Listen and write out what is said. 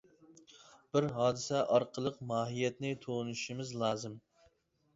بىز ھادىسە ئارقىلىق ماھىيەتنى تونۇشىمىز لازىم.